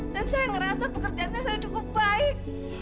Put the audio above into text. dan saya ngerasa pekerjaan saya cukup baik